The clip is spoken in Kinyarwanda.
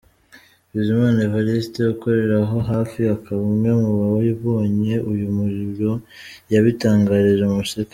Bizimana Evariste ukorera aho hafi akaba umwe mu babonye uyu muriro yabitangarije Umuseke.